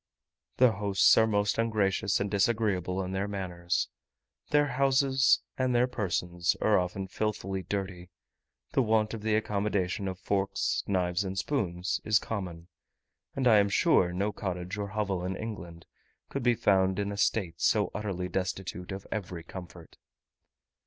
The hosts are most ungracious and disagreeable in their manners; their houses and their persons are often filthily dirty; the want of the accommodation of forks, knives, and spoons is common; and I am sure no cottage or hovel in England could be found in a state so utterly destitute of every comfort.